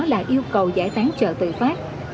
là yêu cầu giải tán chợ tự phát